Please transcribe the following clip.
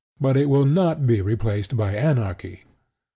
But it will not be replaced by anarchy.